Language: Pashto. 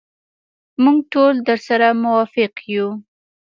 موږ ټول درسره موافق یو.